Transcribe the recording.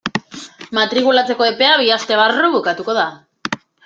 Matrikulatzeko epea bi aste barru bukatuko da.